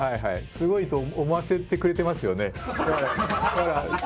すごいと思わせてくれてますよね。